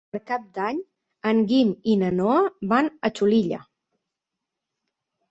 Per Cap d'Any en Guim i na Noa van a Xulilla.